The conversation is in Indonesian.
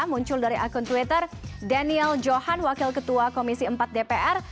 muncul dari akun twitter daniel johan wakil ketua komisi empat dpr